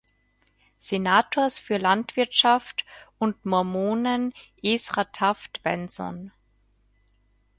Senators für Landwirtschaft und Mormonen Ezra Taft Benson.